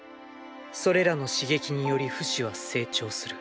それらの刺激によりフシは成長する。